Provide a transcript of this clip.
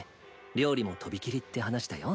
料理も飛びきりって話だよ。